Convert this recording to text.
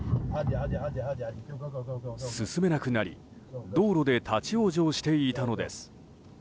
進めなくなり道路で立ち往生していたのです。